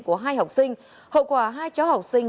của hai học sinh hậu quả hai cháu học sinh